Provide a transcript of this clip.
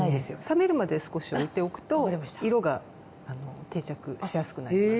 冷めるまで少しおいておくと色が定着しやすくなります。